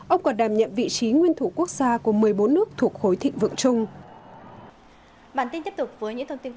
ông còn đảm nhận vị trí nguyên thủ quốc gia của một mươi bốn nước thuộc khối thịnh vượng chung